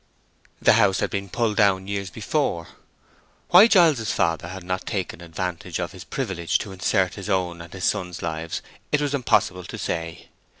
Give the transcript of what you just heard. The house had been pulled down years before. Why Giles's father had not taken advantage of his privilege to insert his own and his son's lives it was impossible to say.